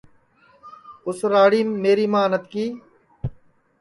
اُس راڑیم میری ماں نتکی